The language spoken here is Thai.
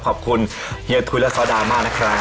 ขอบคุณเฮียทุยและซอดามากนะครับ